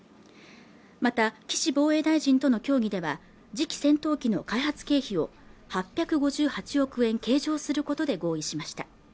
また岸防衛大臣との協議では次期戦闘機の開発経費を８５８億円計上することで合意しました